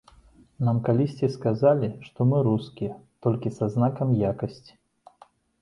Нам калісьці сказалі, што мы рускія, толькі са знакам якасці.